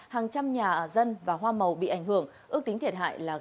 hàng trăm nhà dân và hoa màu bị ảnh hưởng ước tính thiệt hại là gần một mươi hai tỷ đồng